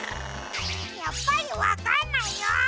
やっぱりわかんないよ！